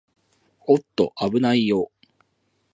おーっと、あぶないよー